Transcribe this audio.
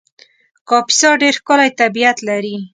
کاپیسا ډېر ښکلی طبیعت لري